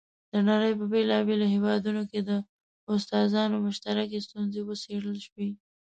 د نړۍ په بېلابېلو هېوادونو کې د استادانو مشترکې ستونزې وڅېړل شوې.